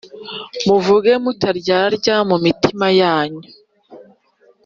muvuge mutaryarya mu mitima yanyu